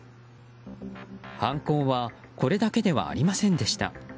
犯行はこれだけではありませんでした。